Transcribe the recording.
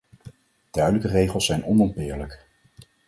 Duidelijke regels zijn onontbeerlijk.